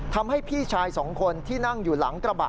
ทำให้พี่ชาย๒คนที่นั่งอยู่หลังกระบะ